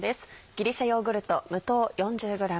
ギリシャヨーグルト無糖４０ｇ。